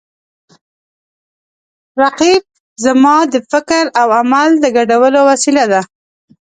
رقیب زما د فکر او عمل د ګډولو وسیله ده